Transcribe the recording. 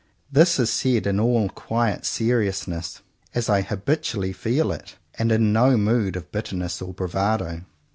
This is said in all quiet seriousness, as I habitually feel it, and in no mood of bitterness and bravado.